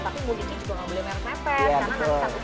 tapi mudiknya juga gak boleh merek mepet